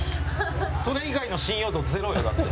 それ以外の信用度ゼロよだって。